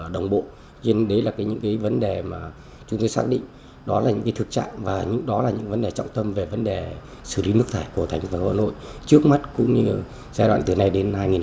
đồng bộ đấy là những vấn đề mà chúng tôi xác định đó là những thực trạng và những vấn đề trọng tâm về vấn đề xử lý nước thải của thành phố hồ nội trước mắt cũng như giai đoạn từ nay đến hai nghìn hai mươi